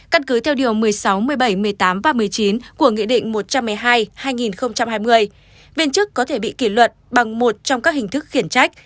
căn cứ theo điều một mươi sáu một mươi bảy một mươi tám và một mươi chín của nghị định một trăm một mươi hai hai nghìn hai mươi viên chức có thể bị kỷ luật bằng một trong các hình thức khiển trách